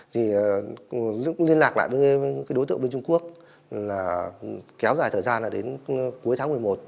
thì lúc liên lạc lại với cái đối tượng bên trung quốc là kéo dài thời gian là đến cuối tháng một mươi một